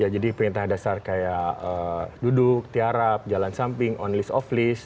jadi perintah dasar kayak duduk tiarap jalan samping on list off list